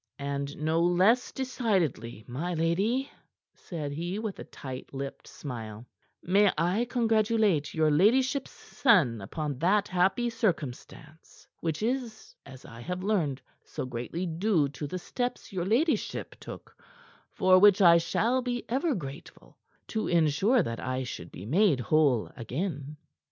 "And no less decidedly, my lady," said he with a tight lipped smile, "may I congratulate your ladyship's son upon that happy circumstance, which is as I have learned so greatly due to the steps your ladyship took for which I shall be ever grateful to ensure that I should be made whole again."